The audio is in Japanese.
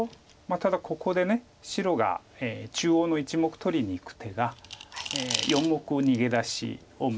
ただここで白が中央の１目取りにいく手が４目逃げ出しを見て。